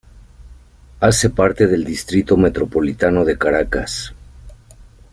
Hace parte del Distrito Metropolitano de Caracas.